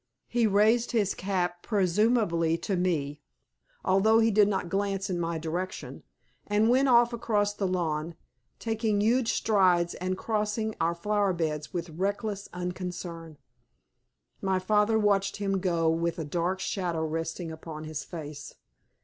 He raised his cap presumably to me, although he did not glance in my direction, and went off across the lawn, taking huge strides, and crossing our flower beds with reckless unconcern. My father watched him go with a dark shadow resting upon his face.